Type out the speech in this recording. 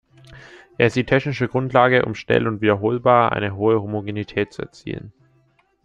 Er ist die technische Grundlage, um schnell und wiederholbar eine hohe Homogenität zu erzielen.